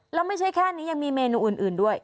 แล้วไม่ใช่แค่นี้ยังมีเมนูอื่นด้วย